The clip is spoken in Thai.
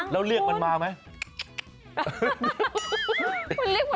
แล้วเรียกมันมาไหม